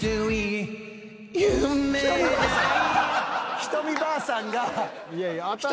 ひとみばあさん！